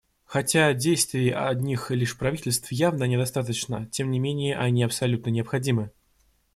Хотя действий одних лишь правительств явно недостаточно, тем не менее они абсолютно необходимы.